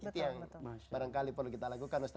itu yang barangkali perlu kita lakukan ustaz ya